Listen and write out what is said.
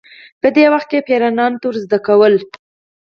په دې وخت کې پیروانو ته ورزده کول